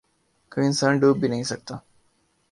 کوئی انسان ڈوب بھی نہیں سکتا